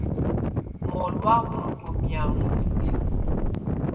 Mɔlɔ̀á wɔ ndɔ́ mɛaŋɔ silǝ.